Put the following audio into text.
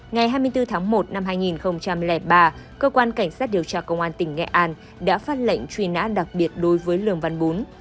ngày hai mươi bốn tháng một năm hai nghìn ba cơ quan cảnh sát điều tra công an tỉnh nghệ an đã phát lệnh truy nã đặc biệt đối với lường văn bún